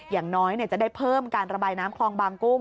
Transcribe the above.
อย่างน้อยจะได้เพิ่มการระบายน้ำคลองบางกุ้ง